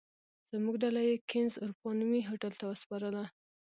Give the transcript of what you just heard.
زموږ ډله یې کېنز اروپا نومي هوټل ته وسپارله.